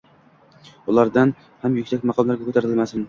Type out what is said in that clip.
ulardan ham yuksak maqomlarga ko'tarmasin?!